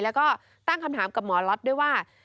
แล้วก็ตั้งคำถามกับหมอล็อตด้วยว่า